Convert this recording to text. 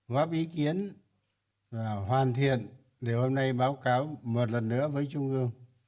góp ý kiến và hoàn thiện để hôm nay báo cáo một lần nữa với trung ương